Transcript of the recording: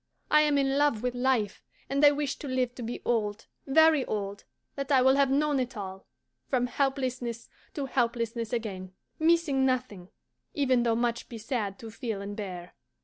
I am in love with life, and I wish to live to be old, very old, that I will have known it all, from helplessness to helplessness again, missing nothing, even though much be sad to feel and bear.